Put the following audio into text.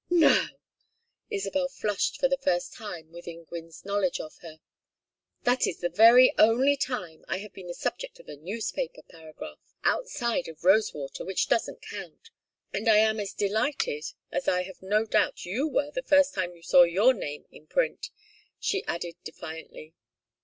"No?" Isabel flushed for the first time within Gwynne's knowledge of her. "That is the very only time I have been the subject of a newspaper paragraph outside of Rosewater, which doesn't count and I am as delighted as I have no doubt you were the first time you saw your name in print!" she added, defiantly.